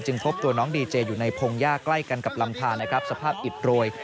พบตัวน้องดีเจอยู่ในพงหญ้าใกล้กันกับลำทานนะครับสภาพอิดโรย